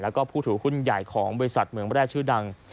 แล้วก็ผู้ถือหุ้นใหญ่ของบริษัทเมืองแร่ชื่อดัง